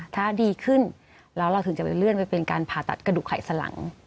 ถ้าดีขึ้นแล้วเราถึงจะไปเลื่อนไปเป็นการผ่าตัดกระดูกไขสลัง